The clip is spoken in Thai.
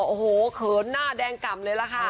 โอ้โหเขินหน้าแดงกล่ำเลยล่ะค่ะ